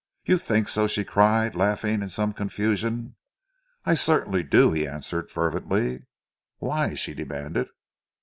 "You think so?" she cried laughing in some confusion. "I certainly do!" he answered fervently. "Why?" she demanded.